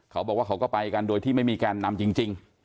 เขาบอกว่าเขาก็ไปกันโดยที่ไม่มีการนำจริง